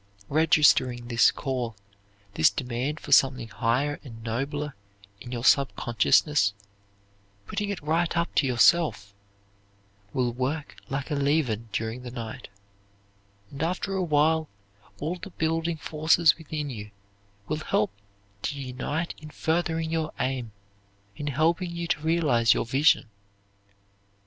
Registering this call, this demand for something higher and nobler, in your subconsciousness, putting it right up to yourself, will work like a leaven during the night; and after a while all the building forces within you will help to unite in furthering your aim; in helping you to realize your vision.